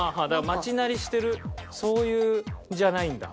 街鳴りしてるそういうんじゃないんだ。